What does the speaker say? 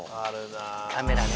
カメラね。